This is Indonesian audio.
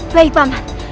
baik pak man